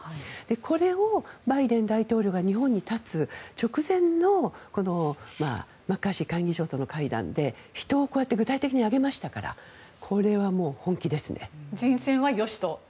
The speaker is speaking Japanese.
これをバイデン大統領が日本に発つ直前のマッカーシー下院議長との会談で人をこうやって具体的に挙げましたから人選はよしと。